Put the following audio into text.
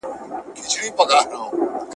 په زور کلي نه کېږي.